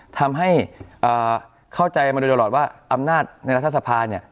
ทำให้เข้าใจมาโดยโดยรอดว่าอำนาจในรัฐสภา